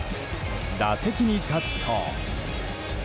打席に立つと。